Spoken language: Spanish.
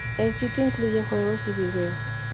El sitio incluye juegos y vídeos.